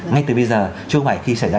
ngay từ bây giờ chứ không phải khi xảy ra